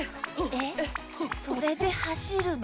えっそれではしるの。